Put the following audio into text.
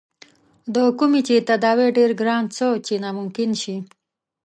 د کومې چې تداوے ډېر ګران څۀ چې ناممکن شي